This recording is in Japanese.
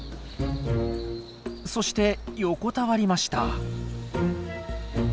そして横たわりました。